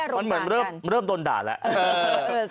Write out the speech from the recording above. มันเหมือนเริ่มโดนด่าแล้ว